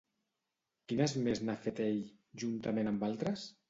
Quines més n'ha fet ell juntament amb altres?